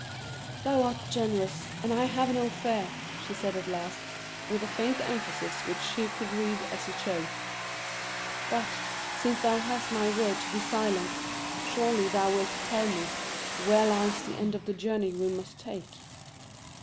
"Thou art generous, and I have no fear," she said at last, with a faint emphasis which he could read as he chose. "But, since thou hast my word to be silent, surely thou wilt tell me where lies the end of the journey we must take?"